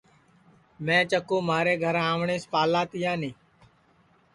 میں چکُو مھارے گھر آوٹؔیس پالا تیانی